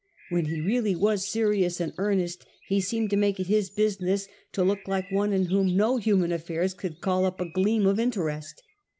When he really was serious and earnest he seemed to make it his business to look like one in whom no human affairs could call up a gleam of in terest.